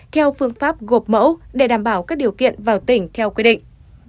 theo phương pháp gộp mẫu để đảm bảo các điều kiện vào tỉnh theo quy định